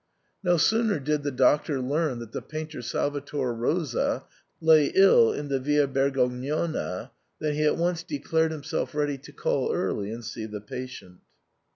No sooner did the doctor learn that the painter Salvator Rosa lay ill in the Via Bergognona than he at once declared himself ready to call early and see the patient.